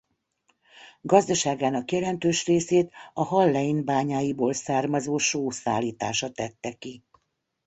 Gazdaságának jelentős részét a Hallein bányáiból származó só szállítása tette ki.